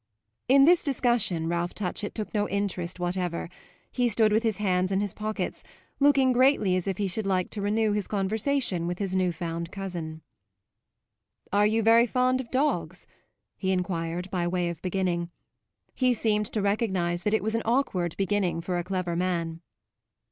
In this discussion Ralph Touchett took no interest whatever; he stood with his hands in his pockets, looking greatly as if he should like to renew his conversation with his new found cousin. "Are you very fond of dogs?" he enquired by way of beginning. He seemed to recognise that it was an awkward beginning for a clever man.